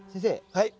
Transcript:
はい。